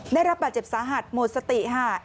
ได้รับบาดเจ็บสาหัสหมดสติค่ะ